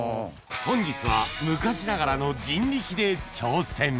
本日は昔ながらの人力で挑戦